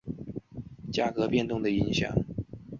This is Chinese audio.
硬狸藻为狸藻属多年生小型至中型岩生食虫植物。